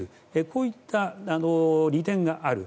こういった利点がある。